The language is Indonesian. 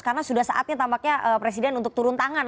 karena sudah saatnya tampaknya presiden untuk turun tangan